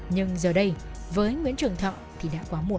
nhưng giờ đây với nguyễn trường thọ thì đã quá muộn